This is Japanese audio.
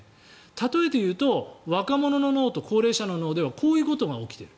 例えて言うと若者の脳と高齢者の脳ではこういうことが起きている。